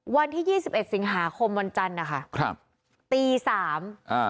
วันที่ยี่สิบเอ็ดสิงหาคมวันจันทร์นะคะครับตีสามอ่า